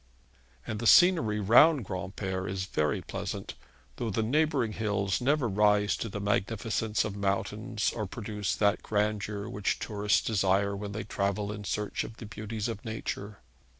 And the scenery round Granpere is very pleasant, though the neighbouring hills never rise to the magnificence of mountains or produce that grandeur which tourists desire when they travel in search of the beauties of Nature.